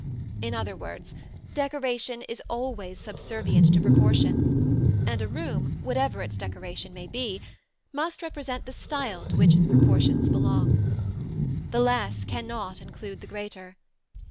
In other words, decoration is always subservient to proportion; and a room, whatever its decoration may be, must represent the style to which its proportions belong. The less cannot include the greater.